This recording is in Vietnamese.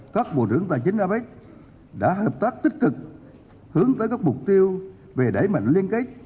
các bộ trưởng tài chính apec đã hợp tác tích cực hướng tới các mục tiêu về đẩy mạnh liên kết